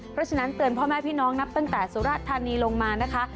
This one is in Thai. เพราะฉะนั้นเตือนพ่อแม่พี่น้องนับตั้งแต่สุรธานีลงมานะคะ